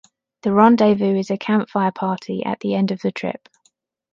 The Rendezvous is a campfire party at the end of the trip.